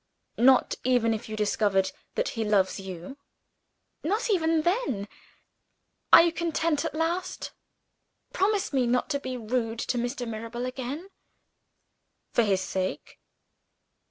"Not even if you discovered that he loves you?" "Not even then. Are you content at last? Promise me not to be rude to Mr. Mirabel again." "For his sake?"